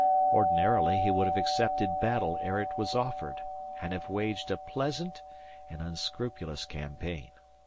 Ordinarily he would have accepted battle ere it was offered, and have waged a pleasant and unscrupulous campaign.